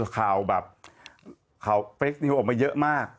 ข่าวเฟรคนิวออกมาเยอะมาก